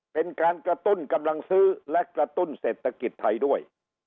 เป็นการกระตุ้นกำลังซื้อและกระตุ้นเศรษฐกิจไทยด้วย